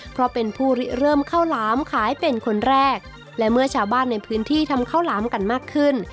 เพราะเป็นผู้ริเริ่มข้าวหลามขายเป็นคนแรกและเมื่อชาวบ้านในพื้นที่ทำข้าวหลามกันมากขึ้น